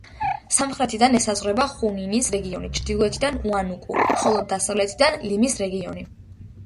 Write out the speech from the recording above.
სამხრეთიდან ესაზღვრება ხუნინის რეგიონი, ჩრდილოეთიდან უანუკო, ხოლო დასავლეთიდან ლიმის რეგიონი.